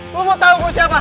lu mau tau gue siapa